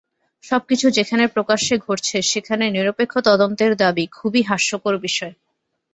সবকিছু যেখানে প্রকাশ্যে ঘটছে, সেখানে নিরপেক্ষ তদন্তের দাবি খুবই হাস্যকর বিষয়।